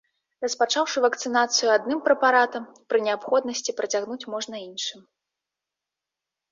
Распачаўшы вакцынацыю адным прэпаратам, пры неабходнасці працягнуць можна іншым.